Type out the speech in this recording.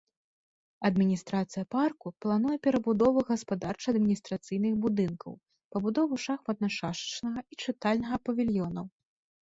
Адміністрацыя парку плануе перабудову гаспадарча-адміністрацыйных будынкаў, пабудову шахматна-шашачнага і чытальнага павільёнаў.